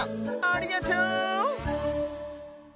ありがとう！